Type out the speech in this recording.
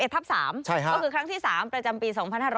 ทับ๓ก็คือครั้งที่๓ประจำปี๒๕๖๐